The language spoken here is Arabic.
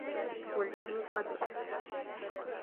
وَالْجَهْلُ الْقَبِيحُ